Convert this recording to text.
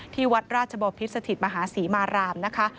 ที่วัดราชบพิษสถิตมหาศรีมารามนะคะ